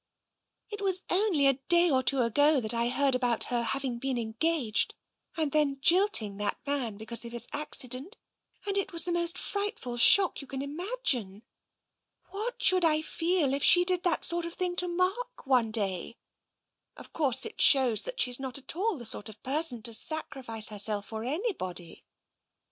It was only a day or two ago that I heard about her having been engaged and then jilting the man be cause of his accident, and it was the most frightful shock you can imagine. What should I feel if she did that sort of thing to Mark one day? Of course, it a 176 TENSION shows that she's not at all the sort of person to sacrifice herself for anybody."